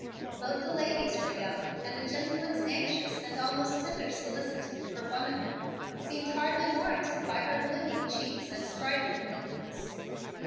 Both the ladies were young, and the gentleman's anxious and almost tender solicitude for one of them seemed hardly warranted by her blooming cheeks and sprightly movements.